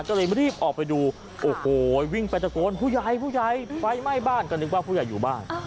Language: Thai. ก็เลยรีบออกไปดูโอ้โหวิ่งไปตะโกนผู้ใหญ่ผู้ใหญ่ไฟไหม้บ้านก็นึกว่าผู้ใหญ่อยู่บ้าน